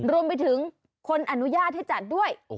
รวมไปถึงคนอนุญาตให้จัดด้วย